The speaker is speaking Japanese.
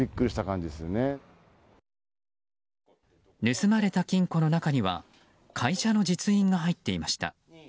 盗まれた金庫の中には会社の実印が入っていました。